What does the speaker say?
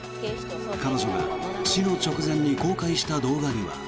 彼女が死の直前に公開した動画には。